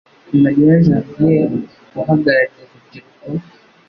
Marie Janviere uhagarariye urubyiruko